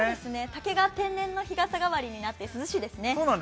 竹が天然の日傘代わりになって涼しいですね。